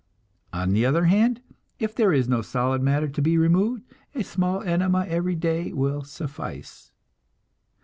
On the other hand, if there is no solid matter to be removed, a small enema every day will suffice.